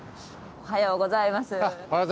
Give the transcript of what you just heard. おはようございます。